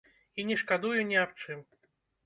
І не шкадую ні аб чым.